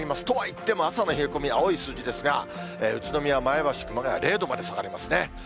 とはいっても、朝の冷え込み、青い数字ですが、宇都宮、前橋、熊谷は０度まで下がりますね。